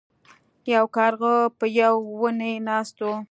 یو کارغه په یو ونې ناست و.